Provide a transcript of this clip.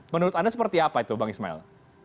menurut anda seperti apa itu bang ismail